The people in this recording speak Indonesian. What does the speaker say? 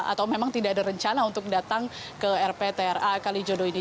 atau memang tidak ada rencana untuk datang ke rptra kalijodo ini